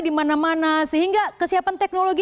dimana mana sehingga kesiapan teknologi